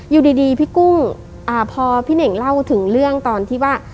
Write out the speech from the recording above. อยู่ดีพี่กุ้งพอพี่เน่งเล่าถึงเรื่องตอนที่ว่า